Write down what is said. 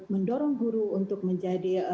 mendorong guru untuk menjadi